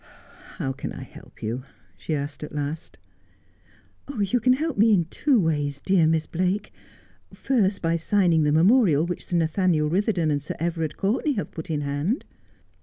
' How can I help you ?' she asked at last. ' You can help me in two ways, dear Miss Blake. First by signing the memorial which Sir Nathaniel Ritherdon and Sir Everard Courtenay have put in hand.'